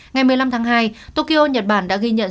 ngày một mươi năm tháng hai tokyo nhật bản đã ghi nhận